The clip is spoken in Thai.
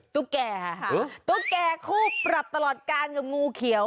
ตุ๊กแก่ค่ะตุ๊กแก่คู่ปรับตลอดการกับงูเขียว